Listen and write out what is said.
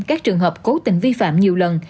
các trường hợp cố tình vi phạm nhiều lần